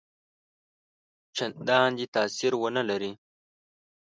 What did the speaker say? څنداني تاثیر ونه لري.